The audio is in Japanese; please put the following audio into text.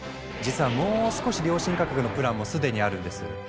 実はもう少し良心価格のプランも既にあるんです。